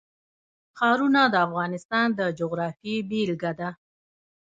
ښارونه د افغانستان د جغرافیې بېلګه ده.